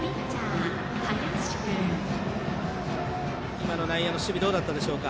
今の内野の守備どうだったでしょうか。